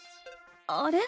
あれ？